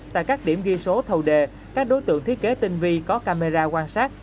tại các điểm ghi số thầu đề các đối tượng thiết kế tinh vi có camera quan sát